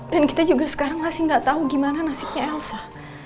dan kita juga sekarang masih nggak tahu gimana nasibnya elsa